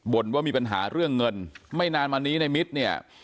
ว่ามีปัญหาเรื่องเงินไม่นานมานี้ในมิตรเนี่ย